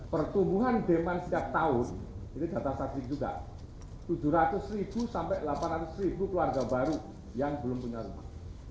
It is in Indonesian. pertumbuhan demand setiap tahun ini data satgas juga tujuh ratus ribu sampai delapan ratus ribu keluarga baru yang belum punya rumah